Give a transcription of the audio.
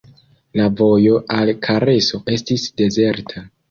La vojo al Kareso estis dezerta.